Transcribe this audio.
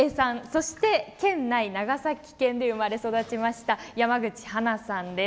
そして、県内長崎県で生まれ育ちました山口花さんです。